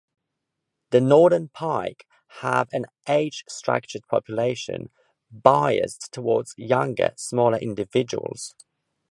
The northern pike have an age-structured population biased towards younger, smaller individuals.